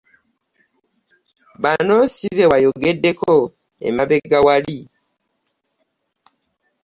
Bano si be wayogeddeko emabega wali?